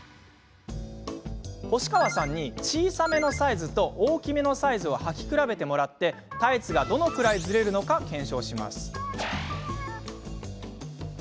星川さんに小さめのサイズと大きめのサイズをはき比べてもらってタイツがどのくらいズレるのか検証します。